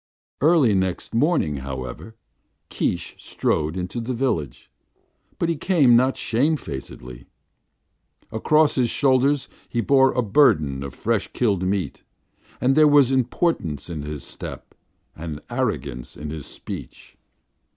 Early next morning, however, Keesh strode into the village. But he came not shamefacedly. Across his shoulders he bore a burden of fresh killed meat. And there was importance in his step and arrogance in his speech.